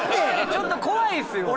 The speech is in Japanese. ちょっと怖いですよ。